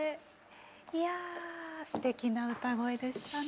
いやすてきな歌声でしたね。